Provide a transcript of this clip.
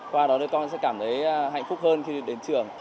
qua đó thì con sẽ cảm thấy hạnh phúc hơn khi đến trường